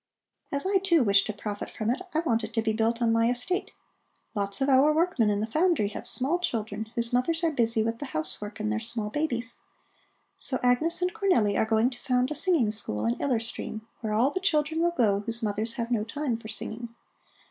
As I, too, wish to profit from it, I want it to be built on my estate. Lots of our workmen in the foundry have small children, whose mothers are busy with the housework and their small babies. So Agnes and Cornelli are going to found a singing school in Iller Stream, where all the children will go, whose mothers have no time for singing.